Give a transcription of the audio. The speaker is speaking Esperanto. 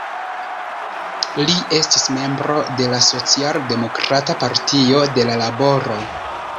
Li estis membro de la socialdemokrata Partio de la Laboro.